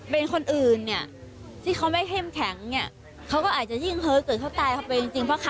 เป็นคนอื่นที่เขาไม่เห็มแข็งเขาก็อาจจะยิ่งเฮ้อเกิดเท่าตายเข้าไปจริง